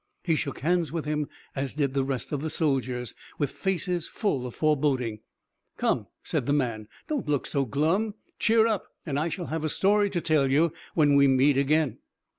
He shook hands with him, as did the rest of the soldiers, with faces full of foreboding. "Come," said the man, "don't look so glum; cheer up, and I shall have a story to tell you when we meet again."